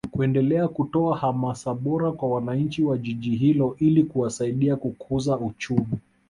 kuendelea kutoa hamasa bora kwa wananchi wa Jiji hilo ili kuwasaidia kukuza uchumi